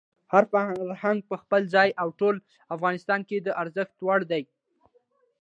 هر فرهنګ په خپل ځای او ټول افغانستان کې د ارزښت وړ دی.